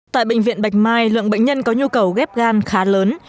tại bệnh viện bạch mai lượng bệnh nhân có nhu cầu ghép gan khá lớn